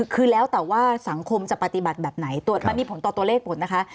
คือแล้วแต่ว่าสังคมจะปฏิบัติแบบไหนมันมีผลต่อตัวเลขหมดนะคะ